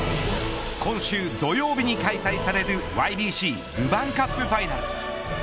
今週土曜日に開催されるＹＢＣルヴァンカップファイナル